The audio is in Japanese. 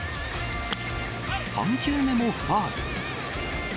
３球目もファウル。